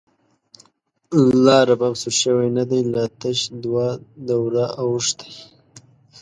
لا رباب سور شوی نه دی، لا تش دوه دوره او ښتی